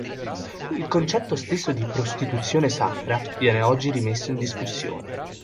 Il concetto stesso di "prostituzione sacra" viene oggi rimesso in discussione.